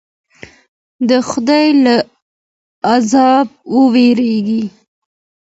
د خدای له عذابه وویریږئ.